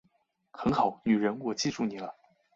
很好，女人我记住你了